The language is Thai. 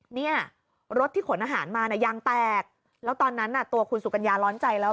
เนี่ยรถที่ขนอาหารมาน่ะยางแตกแล้วตอนนั้นน่ะตัวคุณสุกัญญาร้อนใจแล้ว